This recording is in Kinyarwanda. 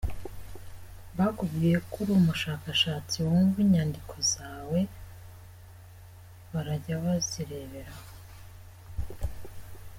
Bakubwiye ko uri umushakashatsi wumva inyandiko zawe barajya bazireberaho.